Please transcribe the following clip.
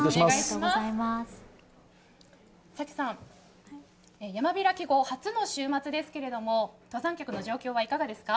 早紀さん、山開き後初の週末ですが登山客の状況はいかがですか？